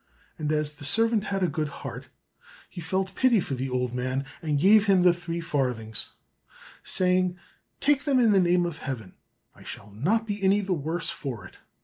And as the servant had a good heart, and felt pity for the old man, he gave him the three farthings, saying, "Take them in the name of Heaven, I shall not be any the worse for it."